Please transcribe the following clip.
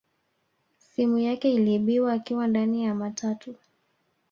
Simu yake iliibiwa akiwa ndani ya matatu